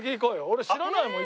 俺知らないもん。